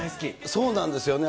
そうなんですよね。